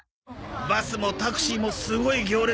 バスもタクシーもすごい行列でさ。